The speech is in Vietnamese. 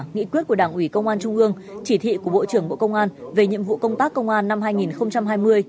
nghị quyết của đảng ủy công an trung ương chỉ thị của bộ trưởng bộ công an về nhiệm vụ công tác công an năm hai nghìn hai mươi